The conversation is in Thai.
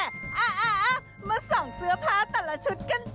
อ่ามาส่องเสื้อผ้าแต่ละชุดกันสิ